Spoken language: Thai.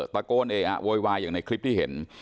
ตะโกนเออะโวยวายอย่างในคลิปที่เห็น